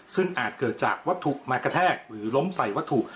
ซึ่งอาจเกิดจากวัตถุมากระแทกหรือล้มใส่วัตถุ